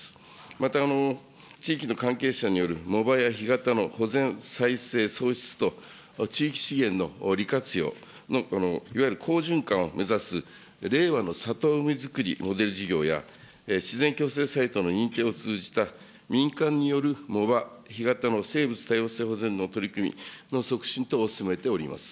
また地域の関係者による藻場や干潟の保全、再生、創出と地域資源の利活用のいわゆる好循環を目指す令和の里海づくりモデル事業や自然きょうせい制度の認定を通じた民間による藻場、干潟の生物多様性保全の取り組みの促進等を進めております。